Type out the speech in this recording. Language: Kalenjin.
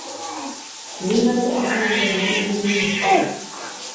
Kimache achamnden ano inye